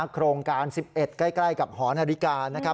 โครงการ๑๑ไว้ใกล้กับหอนาฬิกา